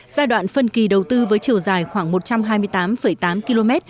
giai đoạn phân kỳ đầu tư với chiều dài khoảng một trăm hai mươi tám tám km